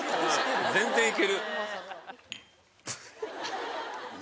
全然いける。